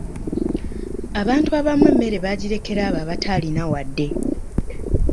Abantu abamu emmere baagirekera abo abataalina wadde.